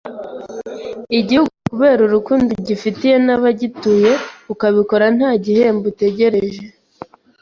Igihugu kubera urukundo ugifi tiye n’abagituye ukabikoranta gihembo utegereje.